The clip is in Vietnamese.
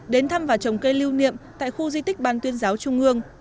đến thăm và trồng cây lưu niệm tại khu di tích ban tuyên giáo trung ương